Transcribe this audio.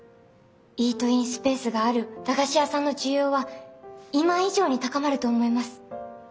イートインスペースがある駄菓子屋さんの需要は今以上に高まると思います。